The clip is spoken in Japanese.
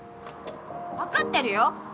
分かってるよ。